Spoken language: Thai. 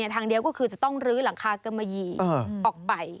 ทางเดียวก็คือจะต้องลื้อหลังคากะมะยีออกไป